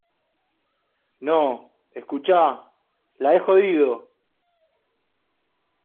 no, escucha. la he jodido .